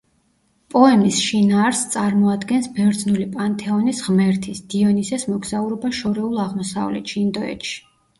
პოემის შინაარსს წარმოადგენს ბერძნული პანთეონის ღმერთის, დიონისეს, მოგზაურობა შორეულ აღმოსავლეთში, ინდოეთში.